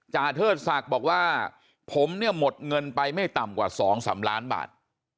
เทิดศักดิ์บอกว่าผมเนี่ยหมดเงินไปไม่ต่ำกว่า๒๓ล้านบาท